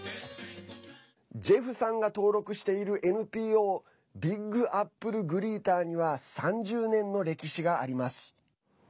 ジェフさんが登録しているＮＰＯビッグ・アップル・グリーターには３０年の歴史があります。